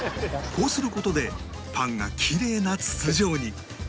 こうする事でパンがキレイな筒状に